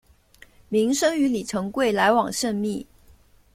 明升与李成桂来往甚密。